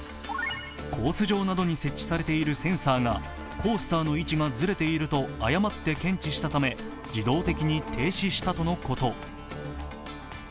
コース上などに設置されているセンサーがコースターの位置がずれていると誤って検知したため、自動的に停止したとのこと。